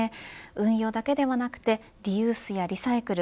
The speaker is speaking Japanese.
運用だけではなくてリユースやリサイクル